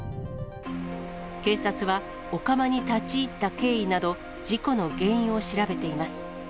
警察は、お釜に立ち入った経緯など、事故の原因を調べています。